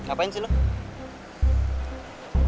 apa yang kamu lakukan